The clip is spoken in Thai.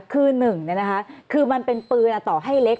คือ๑คือมันเป็นปืนต่อให้เล็ก